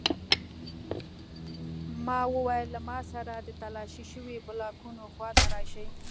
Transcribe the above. ما وویل له ما سره د تالاشي شویو بلاکونو خواته راشئ